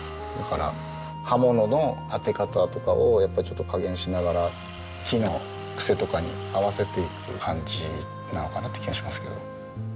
だから刃物の当て方とかをやっぱりちょっと加減しながら木のクセとかに合わせていく感じなのかなって気がしますけど。